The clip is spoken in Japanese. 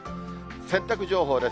洗濯情報です。